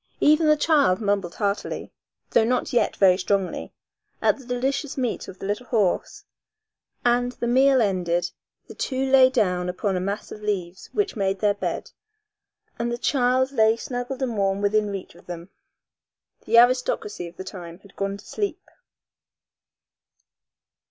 Even the child mumbled heartily, though not yet very strongly, at the delicious meat of the little horse, and, the meal ended, the two lay down upon a mass of leaves which made their bed, and the child lay snuggled and warm within reach of them. The aristocracy of the time had gone to sleep.